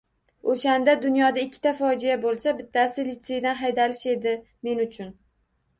Oʻshanda dunyoda ikkita fojia boʻlsa, bittasi litseydan haydalish edi men uchun.